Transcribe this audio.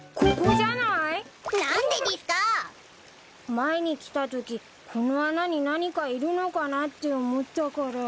前に来たときこの穴に何かいるのかなって思ったから。